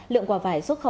lượng quả vải xuất khẩu